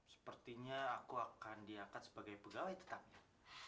sepertinya aku akan diangkat sebagai pegawai tetangga